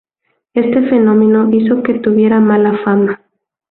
Este fenómeno hizo que tuviera mala fama.